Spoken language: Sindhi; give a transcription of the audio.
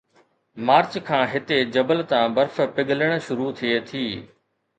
مارچ کان هتي جبل تان برف پگھلڻ شروع ٿئي ٿي